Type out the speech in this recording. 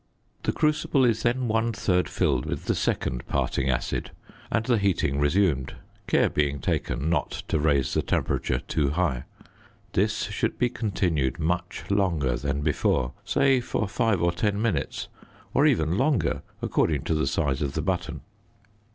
The crucible is then one third filled with the second parting acid and the heating resumed, care being taken not to raise the temperature too high; this should be continued much longer than before, say for five or ten minutes or even longer according to the size of the button.